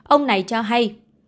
ông này cho hay